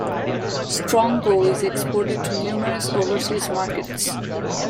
Strongbow is exported to numerous overseas markets.